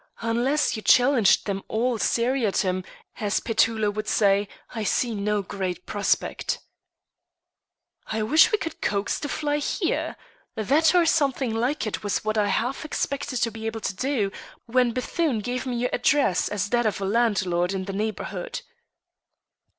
Unless you challenged them all seriatim, as Petullo would say, I see no great prospect." "I wish we could coax the fly here! That or something like it was what I half expected to be able to do when Bethune gave me your address as that of a landlord in the neighbourhood."